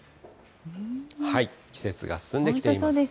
季節が進んできています。